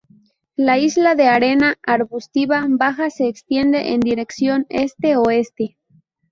La isla de arena arbustiva baja se extiende en dirección Este-Oeste.